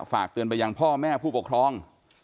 ฝากเตือนไปยังพ่อแม่ผู้ปกครอง